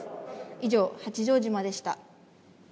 以上、八丈島でした。